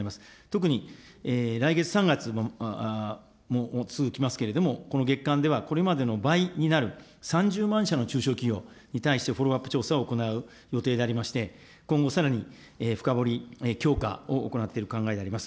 特に、来月、３月も続きますけれども、この月間ではこれまでの倍になる３０万社の中小企業に対してフォローアップ調査を行う予定でありまして、今後さらに深掘り、強化を行っていく考えであります。